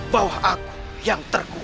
bahwa aku yang terkuat